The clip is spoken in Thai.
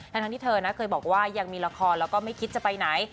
ทั้งที่เธอนะเคยบอกว่ายังมีละครแล้วก็ไม่คิดจะไปไหน